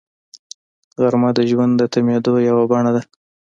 غرمه د ژوند د تمېدو یوه بڼه ده